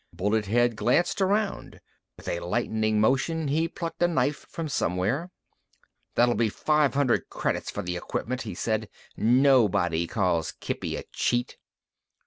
Bullet head glanced around. With a lightning motion, he plucked a knife from somewhere. "That'll be five hundred credits for the equipment," he said. "Nobody calls Kippy a cheat."